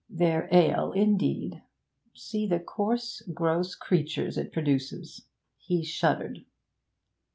'Their ale, indeed! See the coarse, gross creatures it produces!' He shuddered.